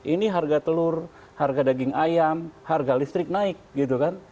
ini harga telur harga daging ayam harga listrik naik gitu kan